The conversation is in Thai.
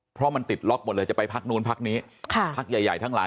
เพราะมันติดล็อกหมดเลยจะไปพักนู้นพักนี้พักใหญ่ทั้งหลาย